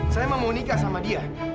saya mau nikah sama dia